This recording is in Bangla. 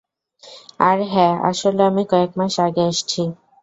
আহ, হ্যাঁ আসলে আমি কয়েক মাস আগে আসছি।